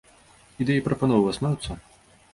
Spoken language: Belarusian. Ідэі і прапановы ў вас маюцца?